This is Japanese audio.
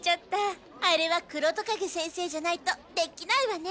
あれは黒戸カゲ先生じゃないとできないわね。